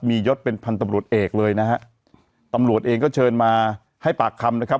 มียศเป็นพันธบรวจเอกเลยนะฮะตำรวจเองก็เชิญมาให้ปากคำนะครับ